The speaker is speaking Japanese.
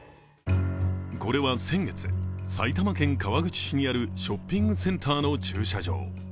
これは先月、埼玉県川口市にあるショッピングセンターの駐車場。